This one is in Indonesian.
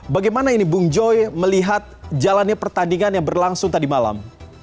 bagaimana ini bung joy melihat jalannya pertandingan yang berlangsung tadi malam